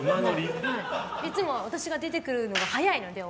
いつも私がおうちを出てくるのが早いので。